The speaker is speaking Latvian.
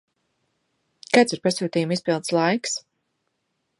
Kāds ir pasūtījuma izpildes laiks?